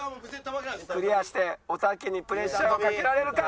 クリアしておたけにプレッシャーをかけられるか？